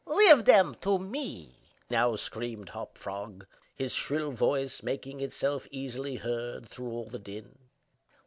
"Leave them to me!" now screamed Hop Frog, his shrill voice making itself easily heard through all the din.